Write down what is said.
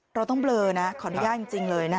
เราต้องเบลอนะขออนุญาตจริงเลยนะ